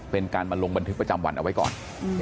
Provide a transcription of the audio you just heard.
เป็นการมาลงบันทึกประจำวันเอาไว้ก่อน